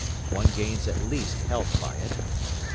One gains at least health by it.